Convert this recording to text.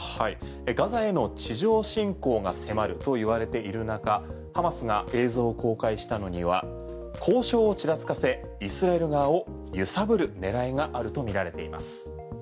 ガザ地上侵攻が迫ると言われている中ハマスが映像を公開したのには交渉をちらつかせイスラエル側を揺さぶる狙いがあるとみられています。